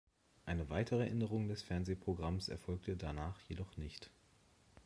Eine weitere Änderung des Fernsehprogramms erfolgte danach jedoch nicht.